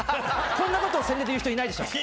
こんなことを宣伝で言う人いないでしょ？